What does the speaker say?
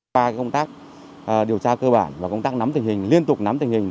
qua công tác điều tra cơ bản và công tác nắm tình hình liên tục nắm tình hình